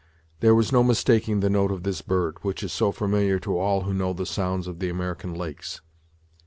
There was no mistaking the note of this bird, which is so familiar to all who know the sounds of the American lakes.